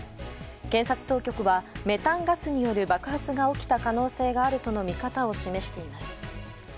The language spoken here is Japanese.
検察当局はメタンガスによる爆発が起きた可能性があるとの見方を示しています。